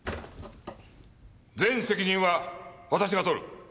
全責任は私が取る。